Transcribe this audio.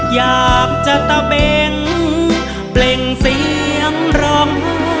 อยากจะตะเบงเปล่งเสียงร้อง